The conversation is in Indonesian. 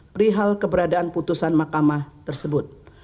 perihal keberadaan putusan mahkamah tersebut